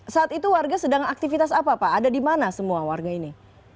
saat itu warga sedang aktivitas apa pak ada di mana semua warga ini